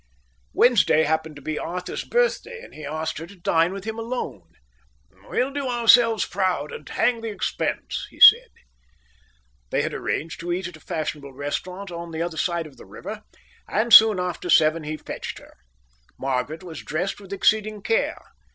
Wednesday happened to be Arthur's birthday, and he asked her to dine with him alone. "We'll do ourselves proud, and hang the expense," he said. They had arranged to eat at a fashionable restaurant on the other side of the river, and soon after seven he fetched her. Margaret was dressed with exceeding care.